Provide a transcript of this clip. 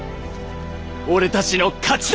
俺たちの勝ちだ！